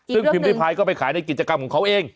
ซึ่งพิมพิพายก็ไปขายในกิจกรรมของเขาเอง